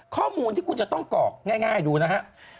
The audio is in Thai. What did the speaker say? ข้อมูลที่คุณจะต้องกรอกง่ายดูนะฮะ